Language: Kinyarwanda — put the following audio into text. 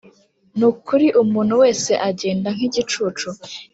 Ni ukuri umuntu wese agenda nkigi cucu